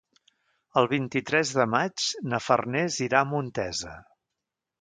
El vint-i-tres de maig na Farners irà a Montesa.